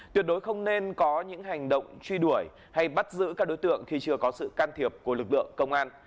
tuyệt đối không nên có những hành động truy đuổi hay bắt giữ các đối tượng khi chưa có sự can thiệp của lực lượng công an